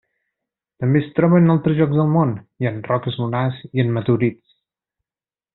També es troba en altres llocs del món i en roques lunars i en meteorits.